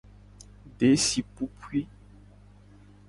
Desi pupui.